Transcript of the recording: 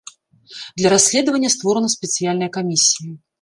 Для расследавання створаная спецыяльная камісія.